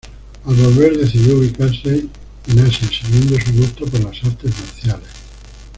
Al volver decidió ubicarse en Asia siguiendo su gusto por las artes marciales.